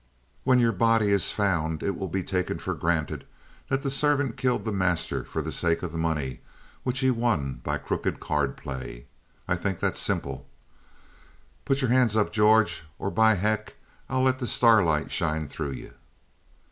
When your body is found it will be taken for granted that the servant killed the master for the sake of the money which he won by crooked card play. I think that's simple. Put your hands up, George, or, by heck, I'll let the starlight shine through you!"